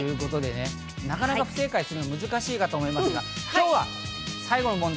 なかなか不正解するのは難しいと思いますが、今日は最後の問題。